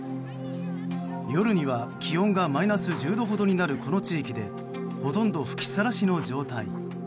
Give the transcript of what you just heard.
夜には気温がマイナス１０度ほどになるこの地域でほとんど吹きさらしの状態。